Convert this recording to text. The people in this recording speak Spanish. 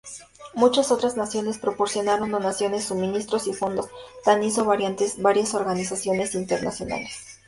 Muchos otras naciones proporcionaron donaciones, suministros y fondos, tan hizo varias organizaciones internacionales.